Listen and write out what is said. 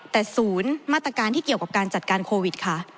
แต่ศูนย์มาตรการที่เกี่ยวกับการจัดการโควิดค่ะ